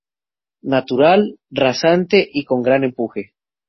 Natural, rasante y con gran empuje.